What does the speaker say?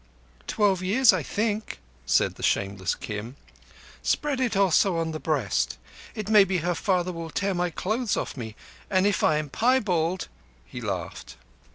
"Twelve years, I think," said the shameless Kim. "Spread it also on the breast. It may be her father will tear my clothes off me, and if I am piebald—" he laughed.